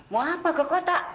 mau apa ke kota